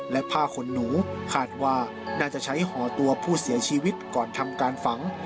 และผ้าขนหนูคาดว่าน่าจะใช้ห่อตัวผู้เสียชีวิตก่อนทำการฝัง